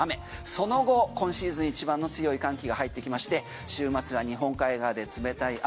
その後今シーズン一番の強い寒気が入ってきまして週末は日本海側で冷たい雨。